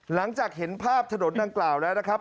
หลังจากเห็นภาพถนนดังกล่าวแล้วนะครับ